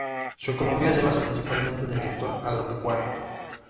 Su economía se basa principalmente en el sector agropecuario.